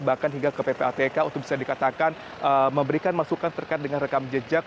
bahkan hingga ke ppatk untuk bisa dikatakan memberikan masukan terkait dengan rekam jejak